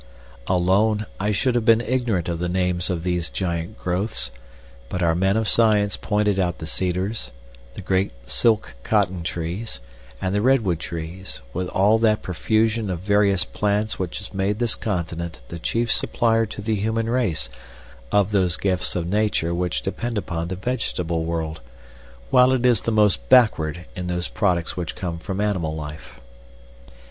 Alone, I should have been ignorant of the names of these giant growths, but our men of science pointed out the cedars, the great silk cotton trees, and the redwood trees, with all that profusion of various plants which has made this continent the chief supplier to the human race of those gifts of Nature which depend upon the vegetable world, while it is the most backward in those products which come from animal life.